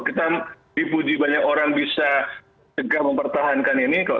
kita dipuji banyak orang bisa tegak mempertahankan ini kok